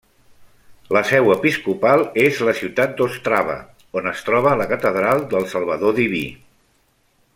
La seu episcopal és la ciutat d'Ostrava, on es troba la catedral del Salvador Diví.